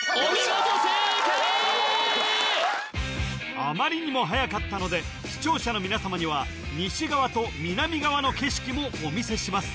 あまりにもはやかったので視聴者の皆様には西側と南側の景色もお見せします